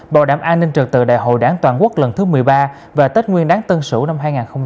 bộ đảm an ninh trực từ đại hội đảng toàn quốc lần thứ một mươi ba về tết nguyên đáng tân sủ năm hai nghìn hai mươi một